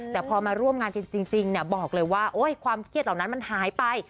แต่พอมาร่วมงานกันจริงบอกเลยว่าความเครียดเหล่านั้นมันหายไป